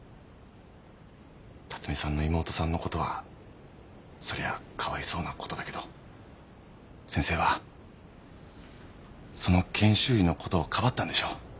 巽さんの妹さんのことはそりゃあかわいそうなことだけど先生はその研修医のことをかばったんでしょう。